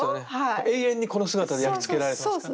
永遠にこの姿で焼き付けられてますから。